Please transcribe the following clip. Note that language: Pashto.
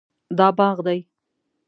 دا باغ دی